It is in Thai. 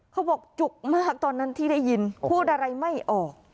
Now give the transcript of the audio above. จุกมากตอนนั้นที่ได้ยินพูดอะไรไม่ออก